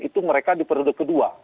itu mereka di periode kedua